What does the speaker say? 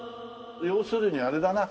要するにあれだな。